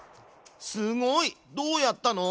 すごいどうやったの？